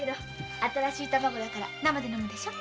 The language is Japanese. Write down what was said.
新しい卵だから生で飲むでしょ。